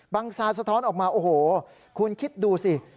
ซาสะท้อนออกมาโอ้โหคุณคิดดูสิ